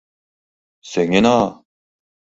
Сеҥена!».